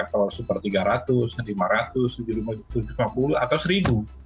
tidak ada turnamen turnamen level super tiga ratus lima ratus tujuh ratus lima puluh atau seribu